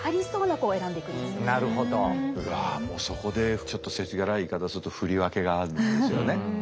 もうそこでちょっとせちがらい言い方すると振り分けがあるんですよね。